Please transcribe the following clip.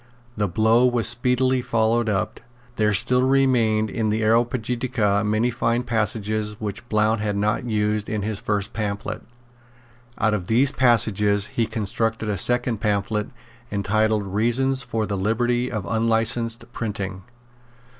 The blow was speedily followed up. There still remained in the Areopagitica many fine passages which Blount had not used in his first pamphlet. Out of these passages he constructed a second pamphlet entitled Reasons for the Liberty of Unlicensed Printing.